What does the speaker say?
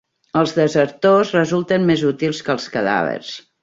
Els desertors resulten més útils que els cadàvers